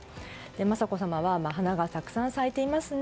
雅子さまは花がたくさん咲いていますね。